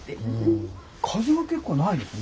風は結構ないですね。